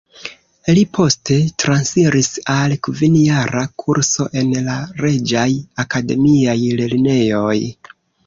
Li poste transiris al kvin-jara kurso en la Reĝaj Akademiaj Lernejoj.